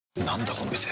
この店。